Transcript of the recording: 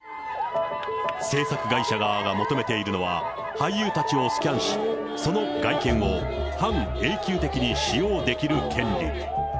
制作会社側が求めているのは、俳優たちをスキャンし、その外見を、半永久的に使用できる権利。